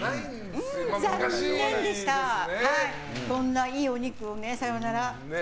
こんないいお肉を、さよなら。